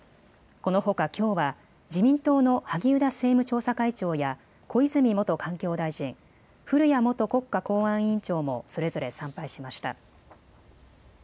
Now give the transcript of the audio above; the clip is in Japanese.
このほかきょうは自民党の萩生田政務調査会長や小泉元環境大臣、古屋元国家公安委員長もそれぞれ参拝しました。